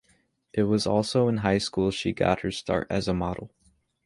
It was also in high school she got her start as a model.